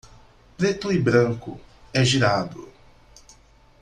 Preto e branco, é girado.